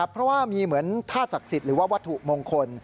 เพราะว่ามีเหมือนธาตุศักดิ์สิทธิ์หรือว่าวัตถุมงคล